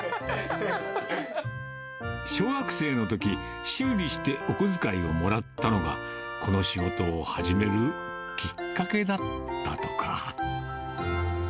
小学生のとき、修理してお小遣いをもらったのが、この仕事を始めるきっかけだったとか。